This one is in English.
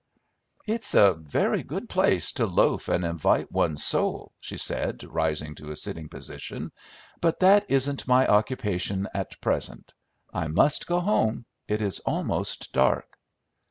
"It's a very good place to 'loaf and invite one's soul,'" she said, rising to a sitting position; "but that isn't my occupation at present. I must go home. It is almost dark."